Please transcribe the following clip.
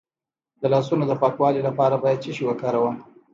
د لاسونو د پاکوالي لپاره باید څه شی وکاروم؟